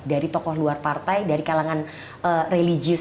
dari tokoh luar partai dari kalangan religius